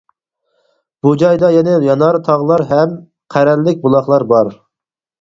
بۇ جايدا يەنە يانار تاغلار ھەم قەرەللىك بۇلاقلار بار.